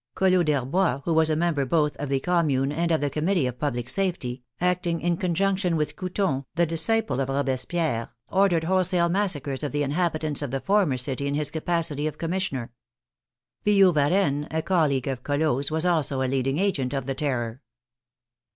Col lot d'Herbois, who was a member both of the Commune and of the Committee of Public Safety, acting in con junction with Couthon, the disciple of Robespierre, or dered wholesale massacres of the inhabitants of the former city in his capacity of Commissioner. Billaud Varennes, a colleague of CoUot's, was also a leading agent of the Terror.